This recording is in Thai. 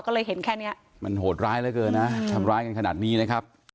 ก็เลยเห็นแค่เนี้ยมันโหดร้ายเหลือเกินนะทำร้ายกันขนาดนี้นะครับ